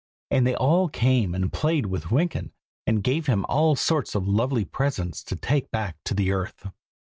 And they all came and played with Wynkyn, and gave him all sorts of lovely presents to take back to the earth.